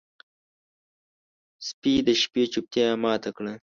سپي د شپې چوپتیا ماته کړه.